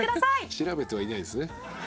「調べてはいないんですね」